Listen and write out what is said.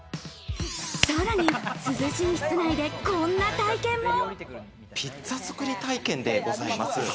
さらに涼しい室内でこんな体験も。